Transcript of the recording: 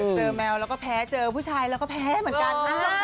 แมวแล้วก็แพ้เจอผู้ชายแล้วก็แพ้เหมือนกัน